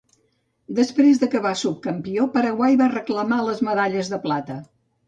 Després d'acabar subcampió, Paraguay va reclamar les medalles de plata.